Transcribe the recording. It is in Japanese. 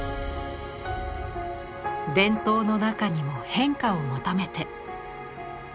伝統の中にも変化を求めて。